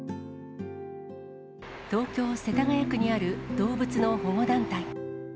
東京・世田谷区にある動物の保護団体。